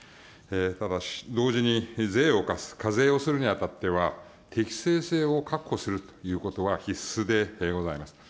ただし同時に、税を課す、課税をするにあたっては、適正性を確保するということは必須でございます。